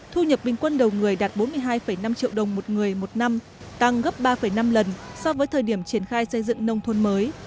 thu nhập bình quân đầu người đạt bốn mươi hai năm triệu đồng một người một năm tăng gấp ba năm lần so với thời điểm triển khai xây dựng nông thôn mới